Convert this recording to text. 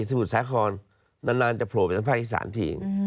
มุทรสาครนานจะโผล่ไปทางภาคอีสานที